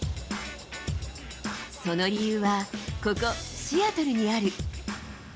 その理由は、ここ、シアトルにある。